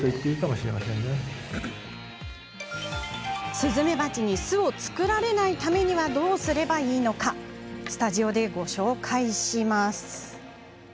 スズメバチに巣を作られないためにはどうすればいいのかスタジオでご紹介します。